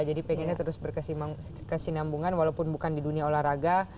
jadi pengennya terus berkesinambungan walaupun bukan di dunia olahraga